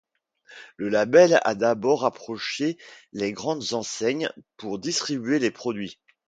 Le label a d'abord approché les grandes enseignes pour distribuer les produits.